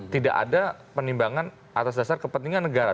tidak ada penimbangan atas dasar kepentingan negara